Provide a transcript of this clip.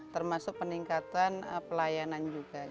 termasuk peningkatan pelayanan